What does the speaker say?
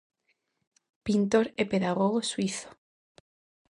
Pintor e pedagogo suízo.